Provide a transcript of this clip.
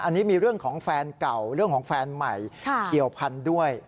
อันนี้มีเรื่องของแฟนเก่าเรื่องของแฟนใหม่เกี่ยวพันธุ์ด้วย